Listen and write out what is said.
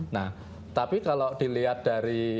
nah tapi kalau dilihat dari